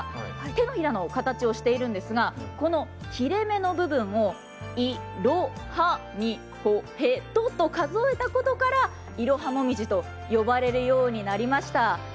手のひらの形をしているんですがこの切れ目の部分をいろはにほへとと数えたことから数えたことからイロハモミジと呼ばれるようになりました。